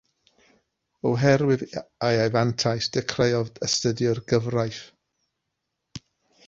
Oherwydd ei anfantais, dechreuodd astudio'r gyfraith.